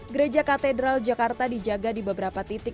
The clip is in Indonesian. gereja katedral jakarta dijaga di beberapa titik